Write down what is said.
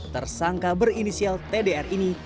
tersangka berinisial tdr ini